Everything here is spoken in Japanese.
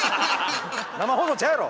生放送ちゃうやろ。